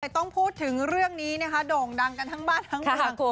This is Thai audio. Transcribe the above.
ต้องพูดถึงเรื่องนี้นะคะโด่งดังกันทั้งบ้านทั้งเมือง